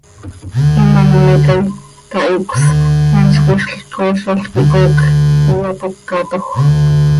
Imám itaai, tahicös, eentz quiixlc coozalc quih coocj iyapócatoj.